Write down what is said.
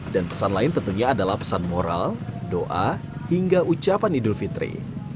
dan pesan lain tentunya adalah pesan moral doa hingga ucapan idul fitri